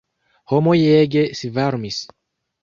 Homoj ege svarmis.